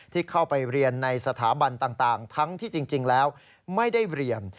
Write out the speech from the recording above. ที่เข้าไปเรียนในสถาบันต่างทั้งที่จริงแล้วไม่ได้เรียน